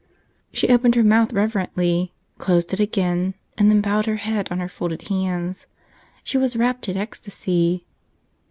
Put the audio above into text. She opened her mouth reverently, closed it again, and then bowed her head on her folded hands. She was wrapt in ecstasy.